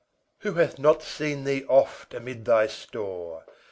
2. Who hath not seen thee oft amid thy store?